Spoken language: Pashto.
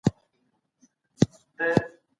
په علمي بحثونو کې نوې خبرې زده کېږي.